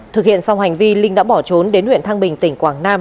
thực hiện xong hành vi linh đã bỏ trốn đến huyện thăng bình tỉnh quảng nam